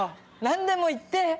何でも言って！